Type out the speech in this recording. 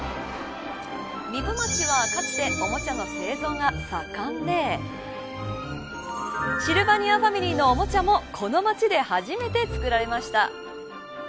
壬生町は、かつておもちゃの製造が盛んでシルバニアファミリーのおもちゃもこの町で初めて作られました。